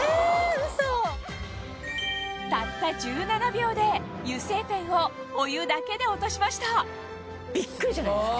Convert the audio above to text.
たった１７秒で油性ペンをお湯だけで落としましたビックリじゃないですか？